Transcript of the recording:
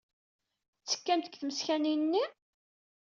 Tettekkamt deg tmeskanin-nni?